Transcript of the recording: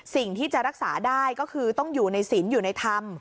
สิ่งที่จะรักษาได้ก็คือต้องอยู่ในศิลป์อยู่ในธรรม